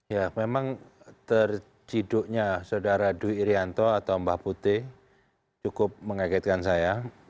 ya memang terciduknya saudara dwi irianto atau mbah putih cukup mengagetkan saya